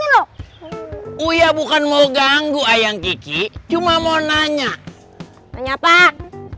loh oh ya bukan mau ganggu ayam gigi cuma mau nanya nanya pak